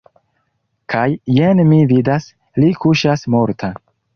Kaj jen mi vidas – li kuŝas morta!